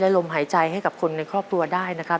ลมหายใจให้กับคนในครอบครัวได้นะครับ